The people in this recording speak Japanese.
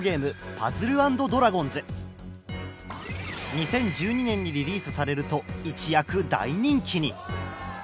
２０１２年にリリースされると一躍大人気に！